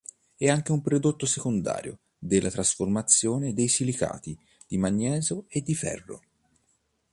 È anche un prodotto secondario della trasformazione dei silicati di magnesio e di ferro.